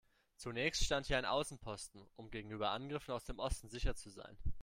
Zunächst stand hier ein Außenposten, um gegenüber Angriffen aus dem Osten sicher zu sein.